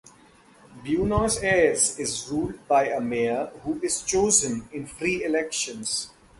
Buenos Aires is ruled by a mayor, who is chosen in free elections.